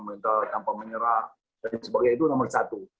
mental tanpa menyerah dan sebagainya itu nomor satu